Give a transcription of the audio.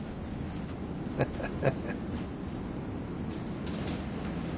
ハハハ。